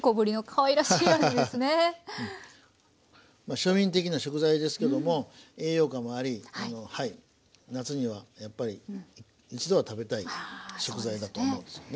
庶民的な食材ですけども栄養価もあり夏にはやっぱり一度は食べたい食材だと思うんですよね。